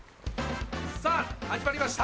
さぁ始まりました。